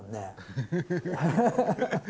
ハハハハ。